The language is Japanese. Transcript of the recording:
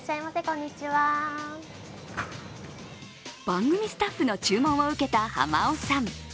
番組スタッフの注文を受けた浜尾さん。